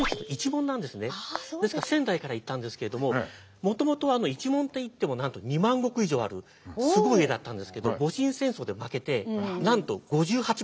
ですから仙台から行ったんですけれどももともと一門といってもなんと２万石以上あるすごい家だったんですけど戊辰戦争で負けてなんと５８石になるんです。